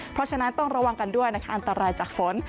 เพราะฉะนั้นต้องระวังกันด้วยนะคะอันตรายจากฝน